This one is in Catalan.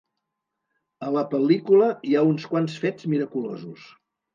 A la pel·lícula hi ha uns quants fets miraculosos.